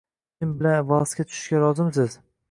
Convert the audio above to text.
Men bilan valsga tushishga rozimisiz?